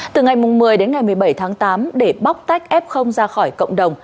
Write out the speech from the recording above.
từ ngày một mươi đến ngày một mươi bảy tháng tám để bóc tách f ra khỏi cộng đồng